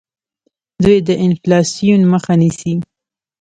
دوی د انفلاسیون مخه نیسي.